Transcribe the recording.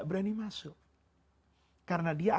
kalau kita bersih kepada allah